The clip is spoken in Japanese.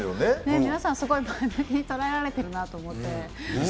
皆さん、すごい前向きにとらえられてるなと思って。